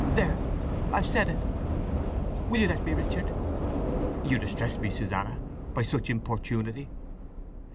There—I've said it! … Will you let me, Richard?" "You distress me, Susanna, by such importunity!"